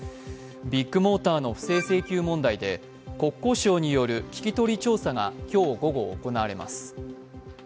ビッグモーターの不正請求問題で国交省による聞き取り調査が今日午後、行われます。